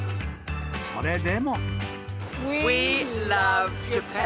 それでも。